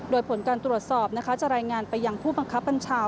โดยผลการตรวจสอบนะคะจะรายงานไปยังผู้บังคับบัญชา